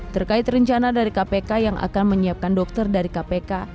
terkait rencana dari kpk yang akan menyiapkan dokter dari kpk